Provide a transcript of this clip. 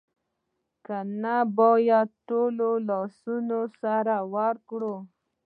که نه باید ټول لاسونه سره ورکړو